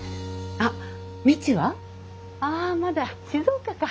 ああまだ静岡か。